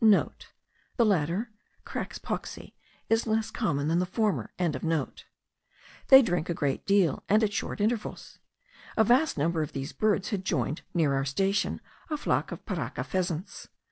(* The latter (Crax pauxi) is less common than the former.) They drink a great deal, and at short intervals. A vast number of these birds had joined, near our station, a flock of parraka pheasants.